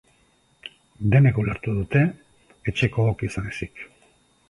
Denek ulertu dute, etxekook izan ezik.